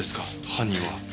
犯人は。